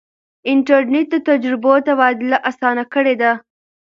انټرنیټ د تجربو تبادله اسانه کړې ده.